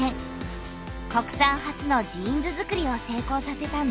国産初のジーンズづくりを成功させたんだ。